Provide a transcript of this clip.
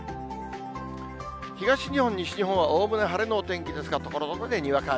東日本、西日本はおおむね晴れのお天気ですが、ところどころでにわか雨。